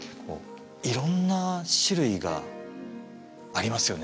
色んな種類がありますよね